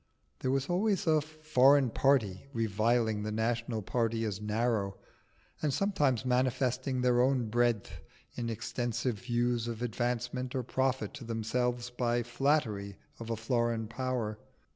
There was always a Foreign party reviling the National party as narrow, and sometimes manifesting their own breadth in extensive views of advancement or profit to themselves by flattery of a foreign power.